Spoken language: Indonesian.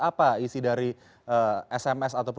apa isi dari sms atau notifikasi